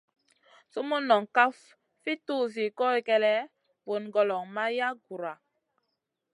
Sumun noŋ kaf fi tuzi goy kélèʼèh, vun goloŋ ma yaʼ Guhra.